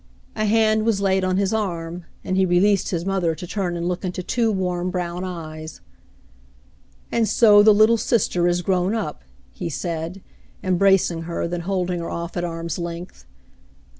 A hand was laid on his arm, and he released his mother to turn and look into two warm brown eyes. "And so the little sister is grown up," he said, embrac ing her, then holding her off at arm's length.